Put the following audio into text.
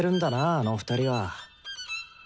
あの２人は。